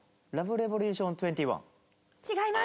違います。